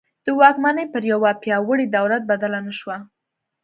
د واکمني پر یوه پیاوړي دولت بدله نه شوه.